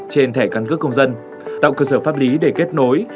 trên thẻ căn cước công dân tạo cơ sở pháp lý để kết nối